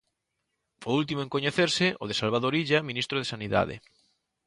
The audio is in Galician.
O último en coñecerse, o de Salvador Illa, ministro de Sanidade.